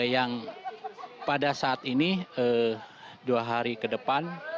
yang pada saat ini dua hari ke depan